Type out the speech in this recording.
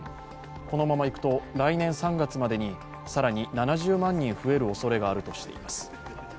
このままいくと、来年３月までに更に７０万人増えるおそれがあるとしています。